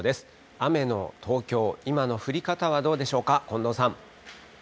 雨の東京、今の降り方はどうでしょうか。